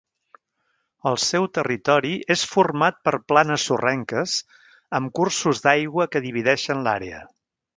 El seu territori és format per planes sorrenques, amb cursos d'aigua que divideixen l'àrea.